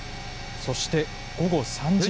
そして午後３時前。